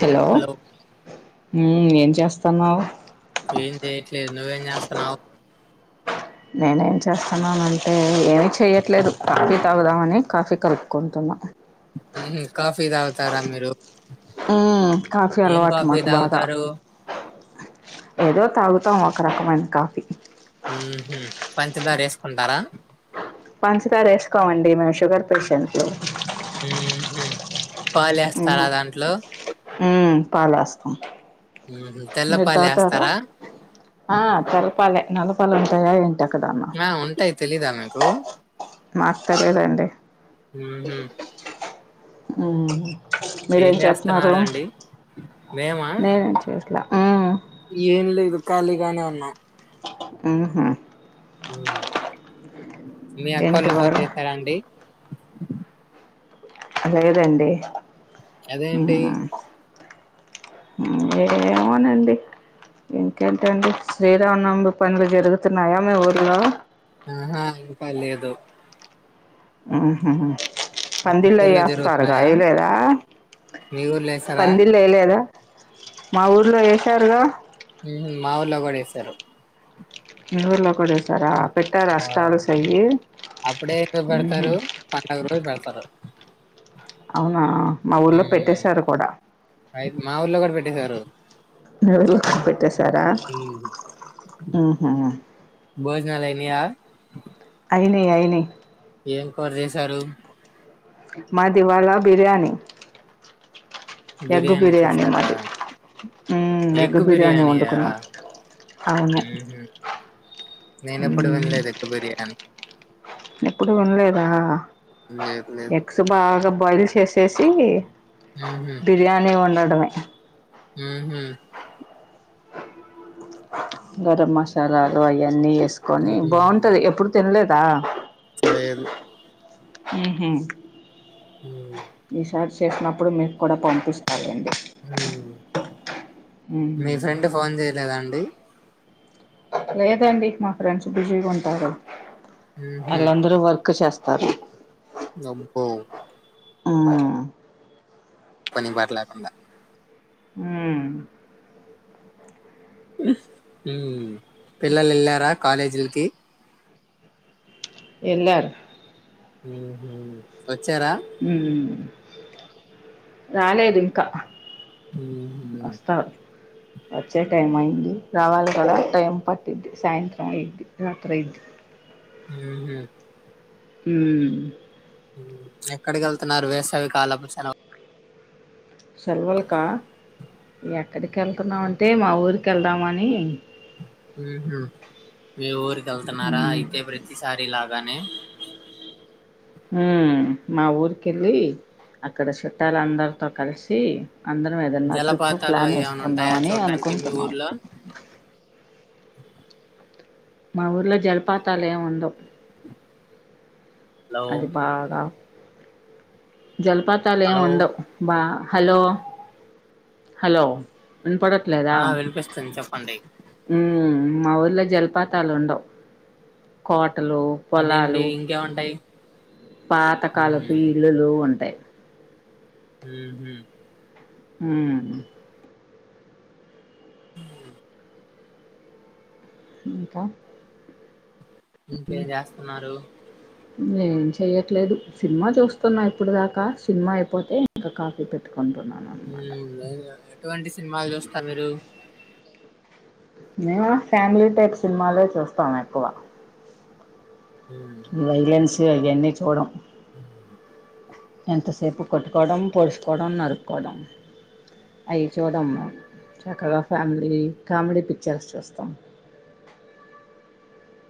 Hello ఏం చేస్తున్నావు ఏం చెయట్లేదు నువ్వేం చేస్తాన్నావు నేనేం చేస్తున్నానంటే ఏమి చేయట్లేదు కాఫీ తాగుదామని కాఫీ కలుపుకుంటున్నా ఊహూ కాఫీ తాగుతారా మీరు ఉమ్ కాఫీ ఏం అలవాటు కాఫీ మాకు బాగా తాగుతారు ఏదో తాగుతు మొత్తం ఒక రకమైన కాఫీ ఉమ్ హు పంచదార వేసుకుంటారా పంచదార వేసుకోమండి మేము షుగర్ పేషెంట్లు హ్మ్ హు పాలు వేస్తారా దాంట్లో హ్మ్ పాలేస్తాం ఉహు తెల్ల మీరు తాతార పాలేస్తారా ఆ తెల్లపాలే నల్లపాలు ఉంటాయా ఏంటి ఎక్కడన్నా ఆ ఉంటాయి తెలీదా మీకు మాకు తెలీదండి ఉహు ఉమ్ ఏం మీరేం చేస్తున్నారు చేస్తున్నారండి మేమా ఏం లేదు ఖాళీగానే ఉన్నా ఆహా మీ ఏంటి అక్కోళ్ళు ఫోన్ వారు చేసారాండి ఆ లేదండి అదేంటి ఏమో అండి ఇంకేంటండి శ్రీరామనవమి పనులు జరుగుతున్నాయా మీ ఊర్లో ఆహా ఇంకా లేదు హ్మ్ హు మీ ఊర్లో పందిల్లేస్తారుగా జరుగుతున్నాయా వేయలేదా మీ ఊర్లో వేసారా పందిల్లు వేయలేదా మా ఊర్లో వేసారుగా ఉమ్ మాఊర్లో కూడా వేసారు మీ ఊర్లో కూడా వేసార పెట్టరా ఆ హస్తాలు సాయి అప్పుడే ఎందుకు హ్మ్ హు పెడతారు పండగ రోజు పెడతారు అవునా మా ఊర్లో ఉమ్ పెట్టేశారు కూడా సారు [inaudible] పెట్టేసారా ఉమ్, హ్మ్ హు భోజనలు అయినాయా అయినయి అయినయి ఏం కూర చేసారు మాది ఇవాల బిర్యానీ ఎగ్ బిర్యానీ మాది హ్మ్ ఎగ్ బిర్యానీ వండుకున్నాం అవును నేన ఎప్పుడు వినలేదు ఎగ్ బిర్యానీ ఎప్పుడు వినలేదా లేదు లేదు ఎగ్స్ బాగా బాయిల్ చేసేసి బిర్యానీ వండడమే హ్మ్ హు గరమసాలాలు అవన్నీ వేసుకొని ఉహు బాగుంటది ఎప్పుడు తినలేదా లేదు హ్మ్ హు ఉమ్ ఈసారి చేసినప్పుడు మీకు కూడా పంపిస్తాలెండి ఉమ్ మీ ఫ్రెండ్ ఫోన్ చేయలేదాండి లేదండి మా ఫ్రెండ్స్ బిజీగా ఉంటారు ఉహు వాళ్ళందరూ వర్క్ చేస్త సరే అబ్బో ఉమ్ పని పాట లేకుండా ఊమ్ ఉమ్ పిల్లలు వెళ్ళారా కాలేజీలకి వెళ్లారు మ్మ్ హ్మ్ హ్మ్ రాలేదు ఇంకా హ్మ్ వస్తారు వచ్చే టైమ్ అయింది రావాలి కథ టైమ్ పట్ద్ది సాయంత్రం ఇయిద్ది రాత్రి అయిది హ్మ్ మ్మ్ ఎక్కడికి వెళ్తున్నారు వేసవికాలపు సేలా సెలవులుకా ఎక్కడికి వెళ్తున్నామంటే మా ఊరికి వెళ్దామని మ్మ్ హ్మ్ మీ ఊరిక వెళ్తున్నారా ఉమ్ అయితే ప్రతిసారి లాగానే ఉమ్ మా ఊరికి వెళ్ళి అక్కడ చుట్టాల అందరితో కలిసి అందరం ఏదన్నా ట్రిప్పు జలపాతాలు ప్లాన్ అవి ఏమైనా ఉంటాయా చేసుకుందామని చూడ్డానికి మీ అనుకుంటున్నాము ఊర్లో మా ఊర్లో జల్పాతలు ఏం ఉందవు హలో అది బాగా జలపాతాలు ఏమి హలో ఉండవ్ బా హలో హలో వినపడట్లేదా ఆ వినిపిస్తుంది చెప్పండి మ్మ్ మా ఊరిలో జలపాతాలు ఉండవు కోటలు అదేండి పొలాలు ఇంకేముంటాయి పాతకాలపు ఊమ్ ఇళ్లులు ఉంటాయి మ్మ్ హ్మ్ మ్మ్ ఇంకా ఇంకేం చేస్తున్నారు నేం చెయ్యట్లేదు సినిమా చూస్తున్నా ఇప్పుడు దాకా సినిమా అయిపోతే ఇంకా కాఫీ పెట్టుకు ఎటువంటి సినిమాలు చూస్తారు మీరు మేమా ఫ్యామిలీ టైప్ సినిమాలే చూస్తాము ఎక్కువ ఊమ్ వైలెన్స్ అయి అన్ని చూడం ఎంతసేపు కొట్టుకోవడం పోడుసుుకోవడం నరుకోవడం అయి చూడము మేము చక్కగా ఫ్యామిలీ కామెడీ పిక్చర్స్ చూస్తాం అ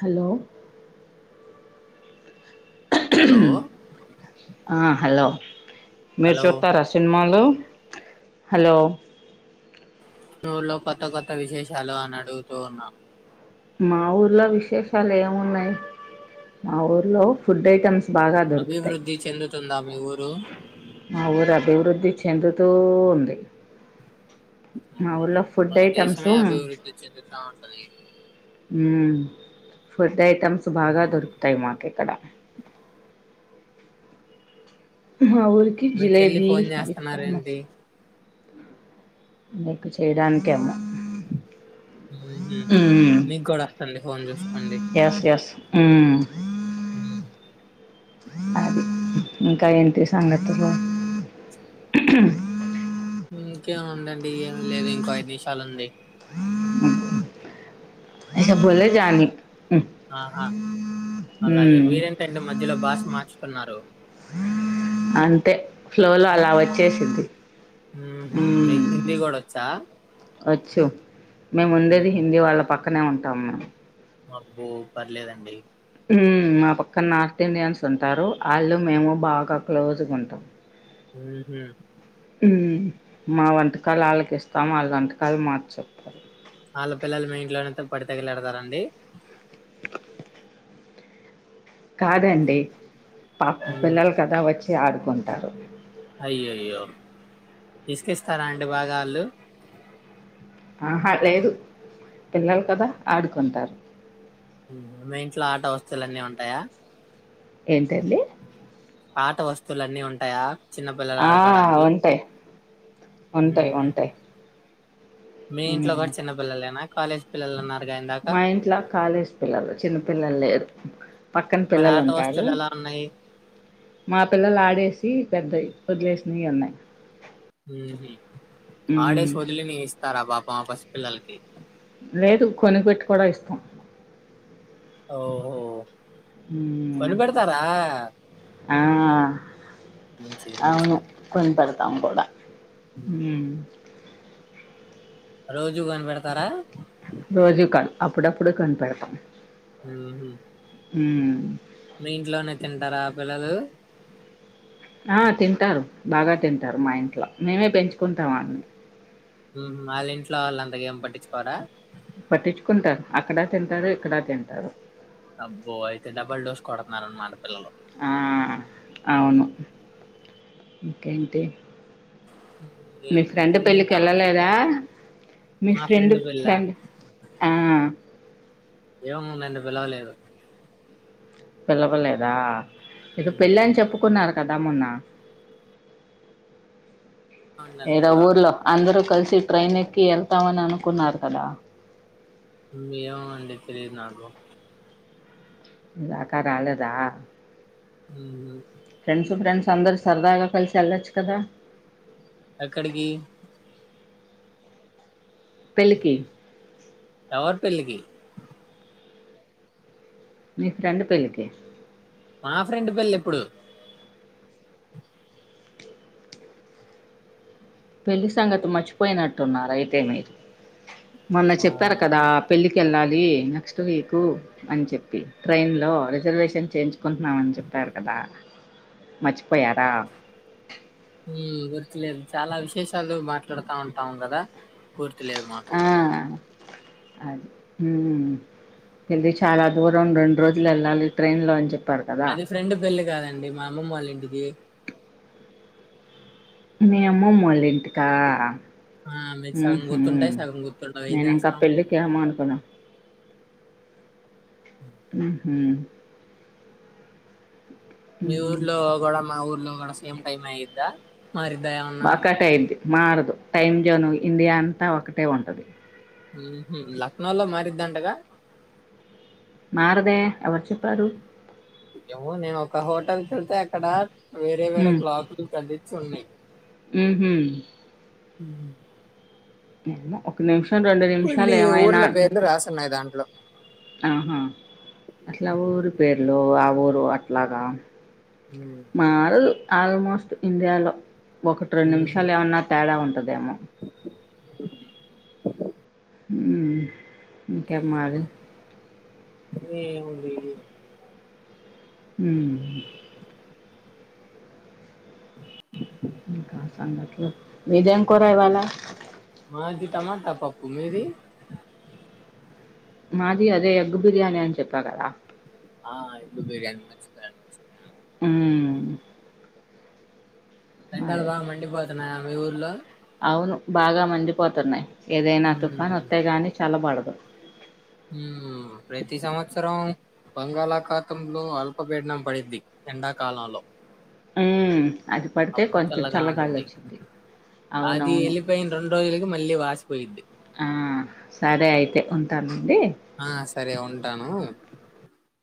హలో హలో ఆ హలో మీరు హలో చూతారా సినిమాలు హలో ఊలో కొత్త కొత్త విశేషాలు అని అడుగుతూ ఉన్నాం మా ఊర్లో విశేషాలు ఏమున్నాయి మా ఊర్లో ఫుడ్ ఐటమ్స్ బాగా దొరుకుతాయి అభివృద్ధి చెందుతుందా మీ ఊరు మా ఊరు అభివృద్ధి చెందుతూ ఉంది మా ఊర్లో ఫుడ్ మన ఐటమ్స్ దేశమే అభివృద్ధి చెందుతా ఉంటది హ్మ్ ఫుడ్ ఐటమ్స్ బాగా దొరుకుతాయి మాకు ఇక్కడ మా ఊరికి మీ చెల్లి జలేేబి ఫోన్ అది ఫేమస్ చేస్తున్నారేంటి నీకు చేయడానికి ఏమో మ్మ్ హ్మ్ మీకు కూడా వస్తండి ఫోన్ చూసుకోండి ఎస్ ఎస్ మ్మ్ మ్మ్ అది ఇంకా ఏంటి సంగతులు ఇంకేముందండి ఏమి లేదు ఇంకో ఐదు నిషాలు ఉంది అబ్బో ఆహా అలాగే మీరేంటండి మధ్యలో భాష మార్చుతున్నారు అంతే ఫ్లో లో అలా వచ్చేసిది హ్మ్ హు మీకు హిందీ కూడా వచ్చా వచ్చు మేము ఉండేది ఉహు, హిందీ వాళ్ళ పక్కనే ఉంటాము అబ్బో పర్లేదండి మ్మ్ మా పక్క నార్త్ ఇండియన్స్ ఉంటారు ఆళ్ళు మేము బాగా క్లోజ్గా ఉంటాం హ్మ్ హు మ్మ్ మా వంటకాలు వాళ్ళకి ఇస్తాం వాళ్ళ వంటకాలు మార్చ చెప్పారు వాళ్ళ పిల్లలు మీ ఇంట్లోనే పడి తగిలేడతార అండి కాదండి పాపం ఉమ్, పిల్లలు కదా వచ్చి ఆడుకుంటారు అయ్యోయ్యో యిసుకిస్తారా అండి భాగా ఆళ్ళు ఆహా లేదు పిల్లలు కదా ఆడుకుంటారు హ్మ్ హు మీ ఇంట్లో ఆట వస్తువులు అన్నీ ఉంటాయా ఏంటండీ ఆట వస్తువులు అన్నీ ఉంటాయా చిన్నపిల్లలు ఆ ఆడుకోవడానికి? ఉంటాయి ఉంటాయి హుహు. ఉంటాయి మీ ఇంట్లో కూడా హ్మ్ చిన్న పిల్లలేనా కాలేజ్ పిల్లలు ఉన్నార మా ఇంట్లో కాలేజ్ పిల్లలు చిన్న పిల్లలు లేరు పక్కన మరి పిల్లలు ఆట ఉంటారు వస్తువులు ఎలా ఉన్నాయి? మా పిల్లలు ఆడేసి పెద్దయి వదిలేసినవి ఉన్నాయి హ్మ్ హు ఆడేసి మ్మ్ వదిలినివి ఇస్తారా పాపం ఆ పసిపిల్లలకి లేదు కొనుగపెట్టి కూడా ఇస్తాం ఓహో మ్మ్ కొనిబెడతారా ఆ అవును మంచిది. కొనిపడతాము కూడా మ్మ్ రోజు కొనిపెడతారా రోజు కాదు అప్పుడప్పుడు కొనిపెడతాం హ్మ్ హు మ్మ్ మీ ఇంట్లోనే తింటారా ఆ పిల్లలు ఆ తింటారు బాగా తింటారు మా ఇంట్లో మేమే పెంచు హ్మ్ హు వాళ్ళ ఇంట్లో వాళ్ళు అంతగ ఏం పట్టించుకోరా పట్టించుకుంటారు అక్కడా తింటారు ఇక్కడా తింటారు అబ్బో అయితే డబుల్ డోస్ కొడుతున్నరనమాటా పిల్లలు ఆ అవును ఇంకేంటి మీ నేను ఫ్రెండ్ మికిందింటే పెళ్ళికి ఆమెకిద్దా వెళ్ళలేదా మీ మా ఫ్రెండ్ పిల్ల ఫ్రెండ్ ఆ ఏమో [unintelligible] పిలవలేదు పిలవలేదా ఇదో పెళ్ళి మ్మ్ అని చెప్పుకున్నారు కదా మొన్న నన్ను ఏదో ఊర్లో పిలవలేదు అందరుూ కలిసి కి ట్రైన్ ఎక్కి వెళ్తామని అనుకున్నారు కదా ఏమో అండి తెలీదు నాకు ఇందాక రాలేదా మ్మ్ ఫ్రెండ్స్ ఫ్రెండ్స్ స్ అందరు సరదాగా కలిసి వెళ్ళొచ్చు కదా ఎక్కడికి పెళ్లికి ఎవరి పెళ్ళికి నీ ఫ్రెండ్ పెళ్ళకి మా ఫ్రెండ్ పెళ్ళి ఎప్పుడు పెళ్లి సంగతి మర్చిపోయినట్టున్నారు అయితే మీరు మొన్న చెప్పాను అవును కదా పెళ్లికెళ్ళాలి అది నెక్స్ట్ వీక్ అని చెప్పి ట్రైన్ లో రిజర్వేషన్ చేయించుకుంటున్నామని చెప్పారు కదా మర్చిపోయారా ఈ గుర్తులేద్ చాలా విశేషాలు మాట్లాడతా ఉంటాం కదా పూర్తిలేదు మాకు ఆ అది మ్మ్ హు ఇది చాలా దూరం రెండు రోజులు వెళ్ళాలి ట్రైన్ లో అని చె అది ఫ్రెండ్ పెళ్ళి కాదండి మా అమ్మమ్మోళ్ళ ఇంటికి మి అమ్మమ్మో లింటికా ఆ, మీకు హ్మ్ సగం హు గుర్తుంటాయి సగం గుర్తుండవు ఏం నేనింకా చేస్తాం పెళ్ళికేమో అనుకున్న మ్మ్ హు మీ ఊర్లో కుడా మా ఊర్లో కుడా సేమ్ టైమ్ అయిందా మరిద్దా ఏమన్నా ఒకటే ఇది మారదు టైమ్ జోన్ ఇండియా అంతా ఒకటే ఉంటది. మ్మ్ హు లక్నో లో మారిద్దంటగా మారదే ఎవరు చెప్పారు ఏమో నేను ఒక హోటల్‌కెళ్తే అక్కడ వేరే వేరే క్లాకులు కదిలించ్ ఉన్నయి హ్మ్ హు ఉ [inaudible] ఒక్క నిమిషం రెండు నిమిషాలు కొన్ని ఏమైనా ఊర్ల పేర్లు రాసున్నాయి దాంట్లో. ఆహా అట్ల ఊరి పేర్లు ఊరు అట్లాన హ్మ్. మారదు ఆల్మోస్ట్ ఇండియాలో ఒకటి రెండు హుహు. నిమిషాల్ ఏమన్నా తేడా ఉంటదేమో హ్మ్ హు ఇంకేం మారీ ఏముంది మ్మ్మ్ ఇంక సంగత్లు ఏది మాది అదే ఎగ్ బిర్యానీ అని చెప్పా కదా ఆ ఎగ్ బిర్యాని మర్చిపోయాను మర్చిపోయాను హ్మ్మ్ ఎండల్ బాగా మండి పోతున్నాయ మీ ఊర్లో అవును బాగా మండిపోతున్నాయి ఏదైనా తుఫాను హ్మ్. వత్తే గాని చల్లబడదు. హ్మ్ ప్రతి సంవత్సరం బంగాళాఖాతంలో అల్పపీడనం పడింది. ఎండాకాలంలో మ్మ్ అది పడితే అప్పుడు కొంచెం చల్లగా చల్లగాలి ఉంటుద్ది. వచ్చింది. అది అవునవును వెళ్ళిపోయిన రెండు రోజులకి మళ్ళీ వాసిపోయిద్ది ఆ సరే అయితే ఉంటానండి ఆ సరే ఉంటాను